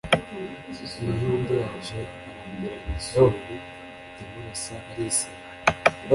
Umuhunde yaje arambirana isuri Ndamurasa arisenya